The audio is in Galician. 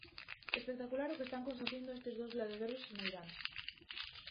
Espectacular o que están conseguindo estes dous gladiadores soneiráns.